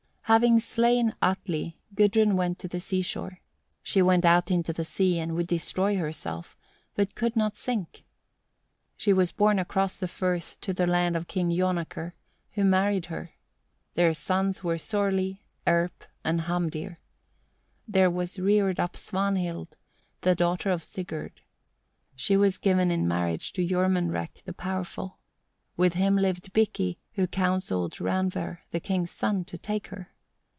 Having slain Atli, Gudrun went to the sea shore. She went out into the sea, and would destroy herself, but could not sink. She was borne across the firth to the land of King Jonakr, who married her. Their sons were Sorli, Erp, and Hamdir. There was reared up Svanhild, the daughter of Sigurd. She was given in marriage to Jormunrek the Powerful. With him lived Bikki, who counselled Randver, the king's son, to take her.